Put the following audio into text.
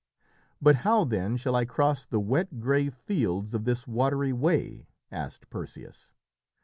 "But how, then, shall I cross the wet grey fields of this watery way?" asked Perseus.